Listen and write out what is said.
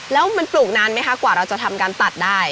แล้วมันปลูกนานไหมคะกว่าเราจะทำการตัดได้